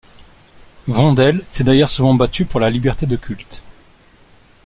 Vondel s'est d'ailleurs souvent battu pour la liberté de culte.